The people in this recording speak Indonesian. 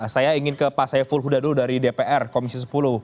saya ingin ke pak saiful huda dulu dari dpr komisi sepuluh